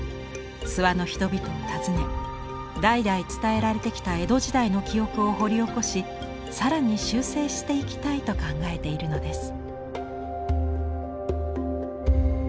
諏訪の人々を訪ね代々伝えられてきた江戸時代の記憶を掘り起こし更に修正していきたいと考えているのです。